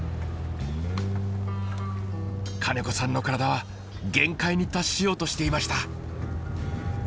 金子さんの体は限界に達しようとしていました。